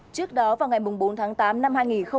trước đó vào ngày bốn tháng tám năm hai nghìn hai mươi